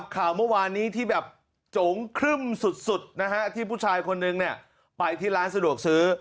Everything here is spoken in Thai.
ข่าวเมื่อวานนี้ที่แบบโจ๋งครึ่มสุดนะฮะที่ผู้ชายคนนึงเนี่ยไปที่ร้านสะดวกซื้อ